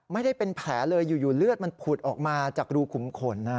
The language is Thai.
ไม่ได้เป็นแผลเลยอยู่เลือดมันผุดออกมาจากรูขุมขนนะ